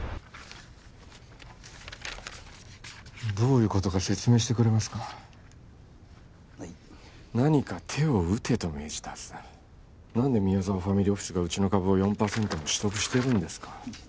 どういうことか説明してくれますかはい何か手を打てと命じたはずだ何で宮沢ファミリーオフィスがうちの株を４％も取得してるんですか